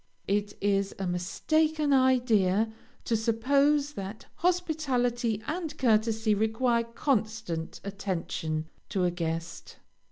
It is a mistaken idea to suppose that hospitality and courtesy require constant attention to a guest.